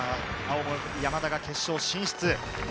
青森山田が決勝進出。